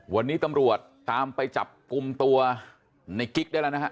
วันนี้ตำรวจตามไปจับกลุ่มตัวในกิ๊กได้แล้วนะฮะ